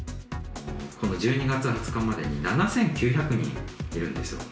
１２月２０日までに７９００人いるんですよ。